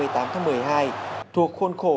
hai mươi tám tháng một mươi hai thuộc khuôn khổ